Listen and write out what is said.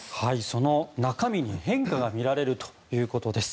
その中身に変化がみられるということです。